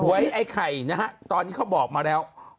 ไฟล์ไอ้ไข่ตอนนี้เขาบอกมาแล้ว